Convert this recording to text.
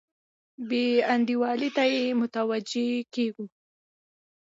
بې انډولۍ ته یې متوجه کیږو.